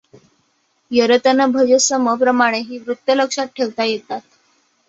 यरतनभजसम प्रमाणे ही वृत्ते लक्षात ठेवता येतात.